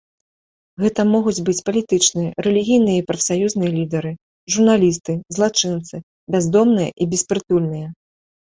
Гэта могуць быць палітычныя, рэлігійныя і прафсаюзныя лідары, журналісты, злачынцы, бяздомныя і беспрытульныя.